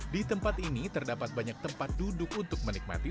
di tempat ini terdapat banyak tempat duduk untuk menikmati